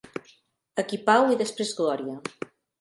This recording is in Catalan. Aquí pau i després glòria.